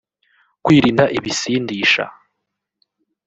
kwirinda ibisindisha